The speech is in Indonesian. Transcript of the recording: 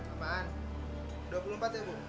apaan dua puluh empat ya bu